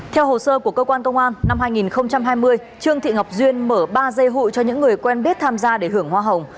theo hồ sơ của cơ quan công an năm hai nghìn hai mươi trương thị ngọc duyên mở ba dây hụi cho những người quen biết tham gia để hưởng hoa hồng